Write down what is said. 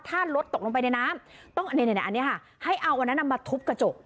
ถ้ารถตกลงไปในน้ำต้องอันนี้ค่ะให้เอาอันนั้นมาทุบกระจก